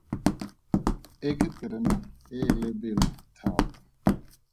E ke terena e e lebelo thata.